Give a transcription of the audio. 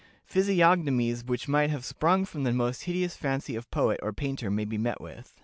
Physiognomies which might have sprung from the most hideous fancy of poet or painter may be met with."